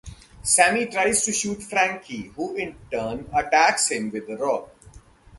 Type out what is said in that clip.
Sammy tries to shoot Frankie, who in turn attacks him with a rock.